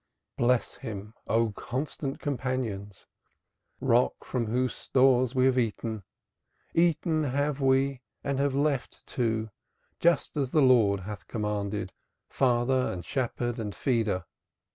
Bless Him, O constant companions, Rock from whose stores we have eaten, Eaten have we and have left, too, Just as the Lord hath commanded Father and Shepherd and Feeder.